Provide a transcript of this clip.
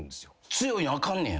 強いのあかんねや。